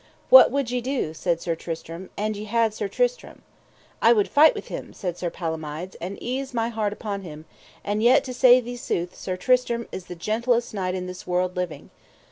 What would ye do, said Sir Tristram, an ye had Sir Tristram? I would fight with him, said Sir Palomides, and ease my heart upon him; and yet, to say thee sooth, Sir Tristram is the gentlest knight in this world living.